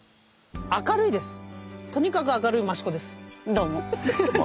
どうも。